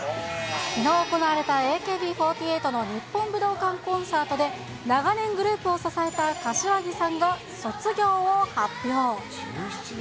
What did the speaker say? きのう行われたＡＫＢ４８の日本武道館コンサートで、長年、グループを支えた柏木さんが、卒業を発表。